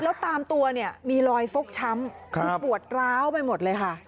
แล้วตามตัวเนี่ยมีรอยฟกช้ำคือปวดร้าวไปหมดเลยค่ะ